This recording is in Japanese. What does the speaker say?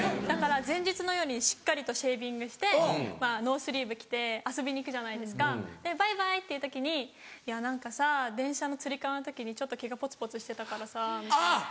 だから前日の夜にしっかりとシェービングしてノースリーブ着て遊びに行くじゃないですかでバイバイっていう時に「いや何かさ電車のつり革の時にちょっと毛がポツポツしてたからさ。